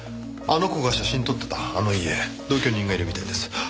あの子が写真撮ってたあの家同居人がいるみたいです。